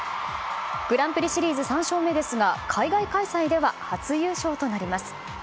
グランプリシリーズ３勝目ですが海外開催では初優勝となります。